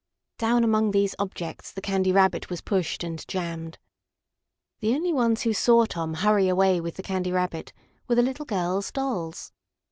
Down among these objects the Candy Rabbit was pushed and jammed. The only ones who saw Tom hurry away with the Candy Rabbit were the little girls' dolls.